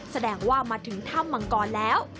แสดงว่ามาถึงถ้ำมังกรแล้ว